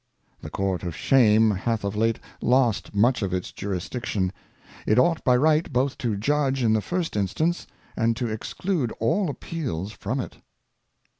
The Court of Shame hath of late lost much of its Jurisdic tion. It ought by right both to judge in the first Instance, and to exclude all Appeals from it.